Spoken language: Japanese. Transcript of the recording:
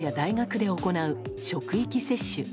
企業や大学で行う職域接種。